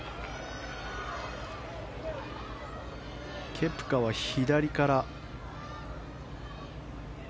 ケプカは左から。